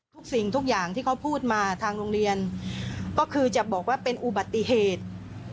สิ่งทุกอย่างที่เขาพูดมาทางโรงเรียนก็คือจะบอกว่าเป็นอุบัติเหตุ